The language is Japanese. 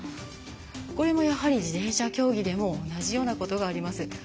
これもやはり自転車競技でも同じようなことがあります。